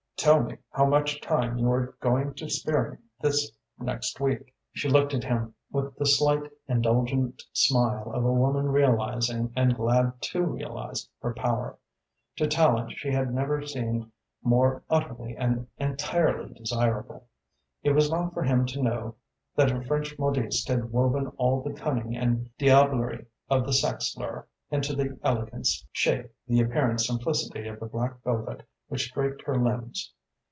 Tell me how much time you are going to spare me this next week?" She looked at him with the slight, indulgent smile of a woman realising and glad to realise her power. To Tallente she had never seemed more utterly and entirely desirable. It was not for him to know that a French modiste had woven all the cunning and diablerie of the sex lure into the elegant shape, the apparent simplicity of the black velvet which draped her limbs.